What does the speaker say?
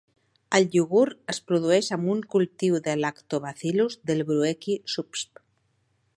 El iogurt es produeix amb un cultiu de "Lactobacillus delbrueckii" subsp.